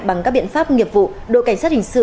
bằng các biện pháp nghiệp vụ đội cảnh sát hình sự